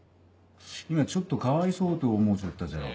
今ちょっとかわいそうと思うちょったじゃろ。